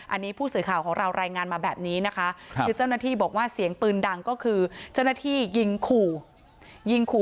อันนี้ผู้สื่อข่าวของเรารายงานมาแบบนี้นะคะคือเจ้าหน้าที่บอกว่าเสียงปืนดังก็คือเจ้าหน้าที่ยิงขู่ยิงขู่